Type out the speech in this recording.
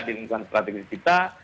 di lingkungan strategis kita